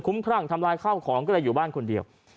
คุ้มครั่งทำร้ายข้าวของก็ได้อยู่บ้านคนเดียว